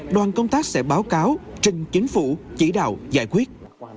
đoàn công tác sẽ báo cáo trình chính phủ chỉ đạo giải quyết